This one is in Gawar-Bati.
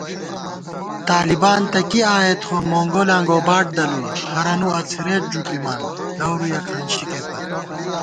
طالِبان تہ کی آئیت خو مونگولاں گوباٹ دَلُوئی * ہرَنُو اڅَھرېت ݫُپِمان لَورُیَہ کھانشِکےپت